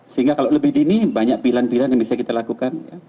sehingga kalau lebih dini banyak pilihan pilihan yang bisa kita lakukan